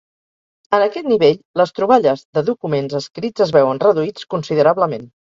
En aquest nivell les troballes de documents escrits es veuen reduïts considerablement.